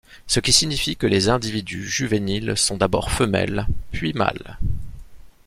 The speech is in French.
Ce qui signifie que les individus juvéniles sont d’abord femelles puis mâles.